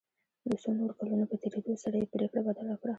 د څو نورو کلونو په تېرېدو سره یې پريکړه بدله کړه.